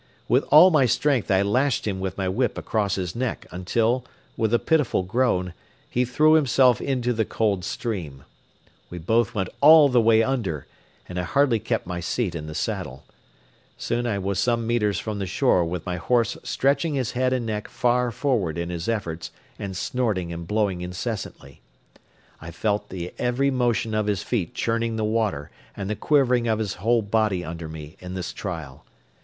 With all my strength I lashed him with my whip across his neck until, with a pitiful groan, he threw himself into the cold stream. We both went all the way under and I hardly kept my seat in the saddle. Soon I was some metres from the shore with my horse stretching his head and neck far forward in his efforts and snorting and blowing incessantly. I felt the every motion of his feet churning the water and the quivering of his whole body under me in this trial.